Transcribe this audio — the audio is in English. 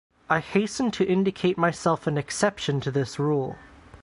I hasten to indicate myself an exception to this rule.